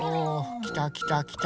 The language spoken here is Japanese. きたきたきた。